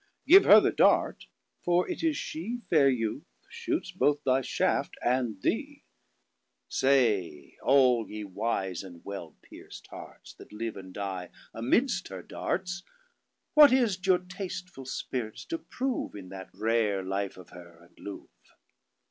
Give her the Dart for it is she(Fair youth) shootes both thy shaft and TheeSay, all ye wise and well peirc't heartsThat live and dy amidst her darts, What is't your tastfull spirits doe proveIn that rare life of Her, and love?